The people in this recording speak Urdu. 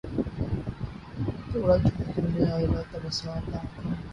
توڑا جو تو نے آئنہ تمثال دار تھا